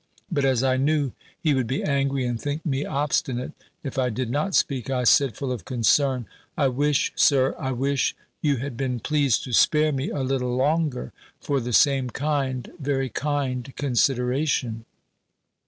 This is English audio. But as I knew he would be angry, and think me obstinate, if I did not speak, I said, full of concern, "I wish, Sir I wish you had been pleased to spare me a little longer, for the same kind, very kind, consideration."